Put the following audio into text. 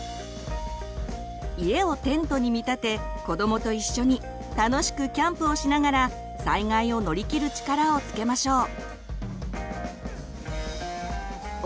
家をテントに見立て子どもと一緒に楽しくキャンプをしながら災害を乗り切る力をつけましょう。